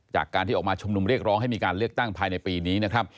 จากการที่ออกมาชุมนุมเรียกร้องให้มีการเลือกตั้งภายในปีนี้นะครับ